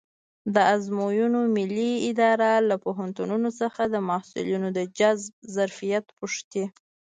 د ازموینو ملي اداره له پوهنتونونو څخه د محصلینو د جذب ظرفیت پوښتي.